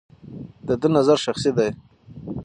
د ده نظر شخصي دی.